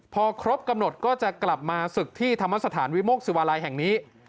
พอครบกำหนดก็จะกลับมาศึกที่ธรรมสถานวิโมกศิวาลัยแห่งนี้